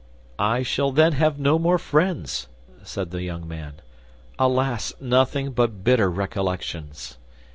"I shall then have no more friends," said the young man. "Alas! nothing but bitter recollections."